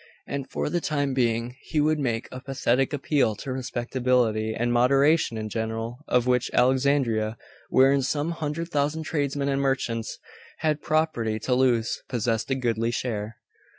And for the time being, he would make a pathetic appeal to respectability and moderation in general, of which Alexandria, wherein some hundred thousand tradesmen and merchants had property to lose, possessed a goodly share.